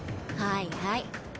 はいはい。